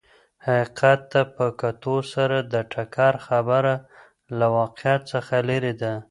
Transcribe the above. حقیقت ته په کتو سره د ټکر خبره له واقعیت څخه لرې ده.